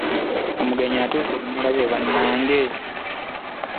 Omugenyi atuuse mumulabye banange?